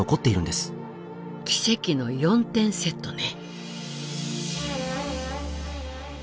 奇跡の４点セットね。